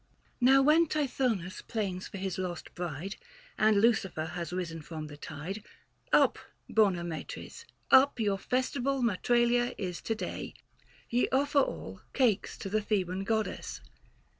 Now when Tithonus plains for his lost bride. And Lucifer has risen from the tide, Up, bonae matres, up, your festival 3Iatralia is to day : ye offer all 565 Cakes to the Theban goddess.